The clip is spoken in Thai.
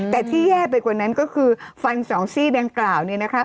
แต่ที่แย่ไปกว่านั้นก็คือฟันสองซี่ดังกล่าวเนี่ยนะครับ